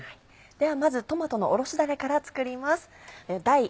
ではまずトマトのおろしだれから作ります。